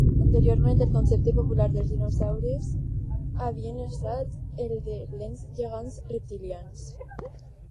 Anteriorment, el concepte popular dels dinosaures havia estat el de lents gegants reptilians.